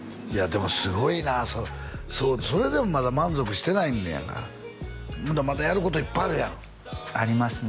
でもすごいなそれでもまだ満足してないんやからまだまだやることいっぱいあるやんありますね